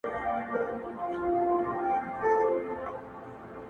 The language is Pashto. په مخه دي د اور ګلونه”